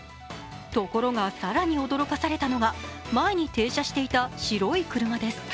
ところが、更に驚かされたのが前に停車していた白い車です。